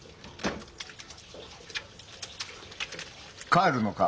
帰るのか？